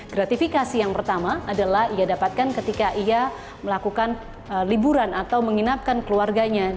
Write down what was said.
gratifikasi yang pertama adalah ia dapatkan ketika ia melakukan liburan atau menginapkan keluarganya